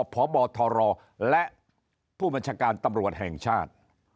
พบทรและผู้บัญชาการตำรวจแห่งชาติ